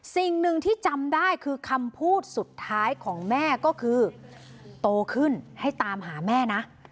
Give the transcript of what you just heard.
สิ่งหนึ่งที่จำได้คือคำพูดสุดท้ายของแม่ก็คือโตขึ้นให้ตามหาแม่นะ